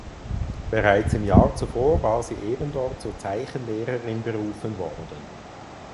Bereits im Jahr zuvor war sie ebendort zur Zeichenlehrerin berufen worden.